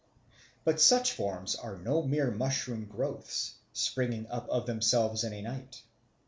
But such forms are no mere mushroom growths, springing up of themselves in a night.